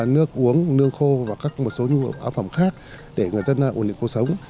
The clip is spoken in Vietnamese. nước uống nước khô và các một số nhu yếu phẩm khác để người dân ổn định cuộc sống